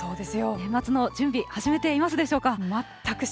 年末の準備、始めていますでしょうか。